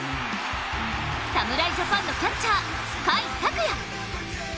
侍ジャパンのキャッチャー甲斐拓也。